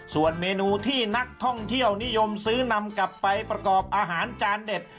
ส่วนเมนูที่นักท่องเที่ยวนิยมซื้อนำกลับไปประกอบอาหารจานเด็ด